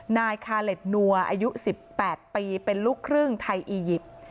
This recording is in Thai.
นายคาเล็ดนัวอายุ๑๘ปีเป็นลูกครึ่งไทยอียิปต์